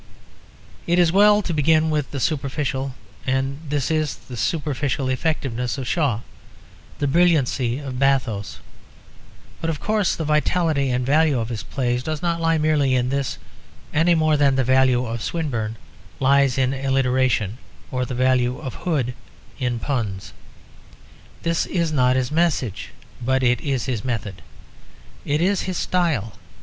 It is well to begin with the superficial; and this is the superficial effectiveness of Shaw; the brilliancy of bathos. But of course the vitality and value of his plays does not lie merely in this; any more than the value of Swinburne lies in alliteration or the value of Hood in puns. This is not his message; but it is his method; it is his style.